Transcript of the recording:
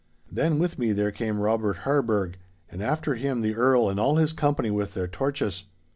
'Then with me there came Robert Harburgh, and after him the Earl and all his company with their torches.